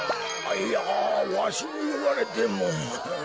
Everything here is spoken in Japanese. いやわしにいわれても。